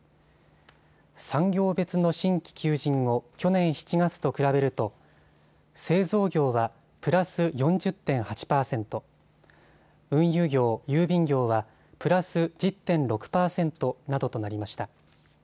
産業別の新規求人を去年７月と比べると製造業はプラス４０．８％、運輸業・郵便業はプラス１０．６％などとなりました。